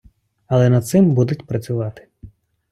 Але над цим будуть працювати.